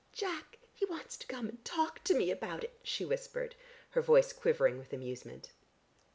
"Jack, he wants to come and talk to me about it," she whispered, her voice quivering with amusement.